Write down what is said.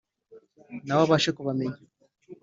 nawe abashe kubamenya.